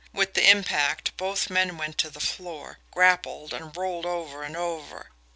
With the impact, both men went to the floor, grappled, and rolled over and over.